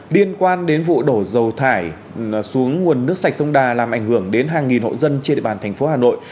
liên quan đến vụ đổ dầu thải xuống nguồn nước sạch sông đà làm ảnh hưởng đến hàng nghìn hộ dân trên địa bàn thành phố hà nội